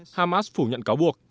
hamas phủ nhận cáo buộc